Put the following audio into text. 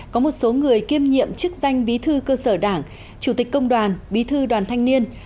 có một số người kiêm nhiệm chức danh bí thư cơ sở đảng chủ tịch công đoàn bí thư đoàn thanh niên